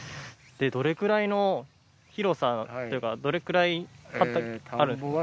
どれくらいの広さというかどれくらいある。